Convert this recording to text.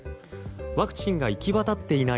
ワクチンがいきわたっていない